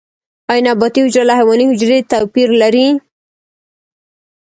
ایا نباتي حجره له حیواني حجرې توپیر لري؟